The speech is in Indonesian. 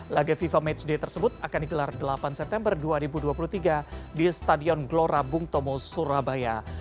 laga fifa match day tersebut akan digelar delapan september dua ribu dua puluh tiga di stadion glorabung tomo surabaya